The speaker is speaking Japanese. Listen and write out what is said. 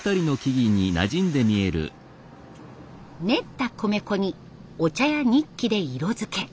練った米粉にお茶やニッキで色づけ。